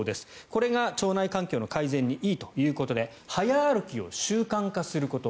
これが腸内環境の改善にいいということで早歩きを習慣化すること。